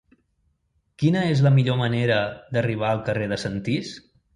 Quina és la millor manera d'arribar al carrer de Sentís?